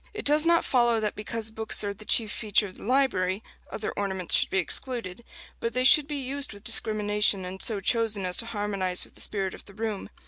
It does not follow that because books are the chief feature of the library, other ornaments should be excluded; but they should be used with discrimination, and so chosen as to harmonize with the spirit of the room.